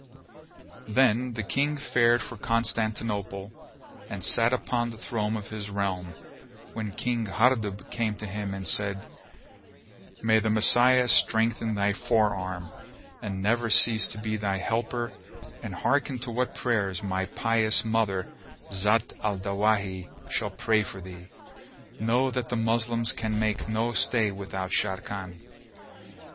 Then the King fared for Constantinople and sat upon the throne of his realm, when King Hardub came to him and said, "May the Messiah strengthen thy fore arm and never cease to be thy helper and hearken to what prayers my pious mother, Zat al Dawahi, shall pray for thee! Know that the Moslems can make no stay without Sharrkan."